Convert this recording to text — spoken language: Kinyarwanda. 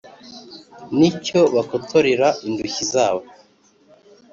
n’ icyo bakotorera indushyi zabo.